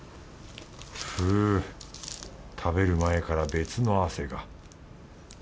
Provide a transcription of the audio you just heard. ふぅ食べる前から別の汗が。